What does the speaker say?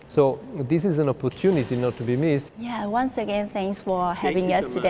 cho ph compile đã